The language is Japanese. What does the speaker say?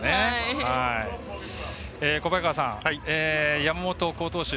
小早川さん、山本は好投手。